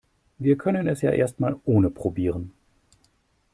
Wir können es ja erst mal ohne probieren.